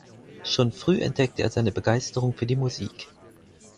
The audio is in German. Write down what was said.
Schon früh entdeckte er seine Begeisterung für die Musik.